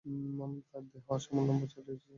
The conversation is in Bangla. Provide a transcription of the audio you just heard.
তার হাতে দেহ সমান লম্বা লাঠি ছিল।